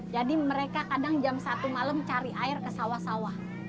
jadi mereka kadang jam satu malam cari air ke sawah sawah